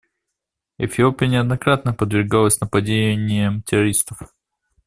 Эфиопия неоднократно подвергалась нападениям террористов.